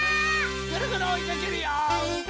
ぐるぐるおいかけるよ！